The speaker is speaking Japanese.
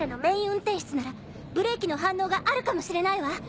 運転室ならブレーキの反応があるかもしれないわ！